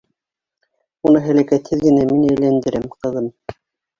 Уны һәләкәтһеҙ генә мин әйләндерәм, ҡыҙым.